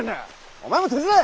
お前も手伝え！